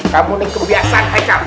kamu ini kebiasaan haikal